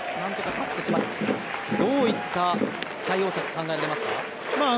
どういった対応策が考えられますか。